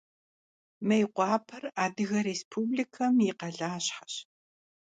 Mêykhuaper Adıge Rêspublikem yi khaleşheş.